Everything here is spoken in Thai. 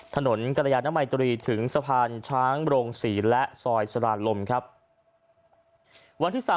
ถนนกรยานมัยตรีถึงสะพานช้างโรงศรีและซอยสรานลมครับวันที่๓